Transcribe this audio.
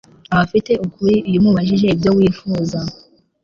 aba afite ukuri iyumubajije ibyo wifuza